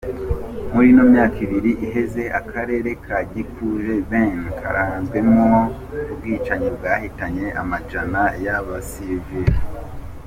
Muri ino myaka ibiri iheze akarere gakikuje Beni kararanzwemwo ubwicanyi bwahitanye amajana y'abasiviles.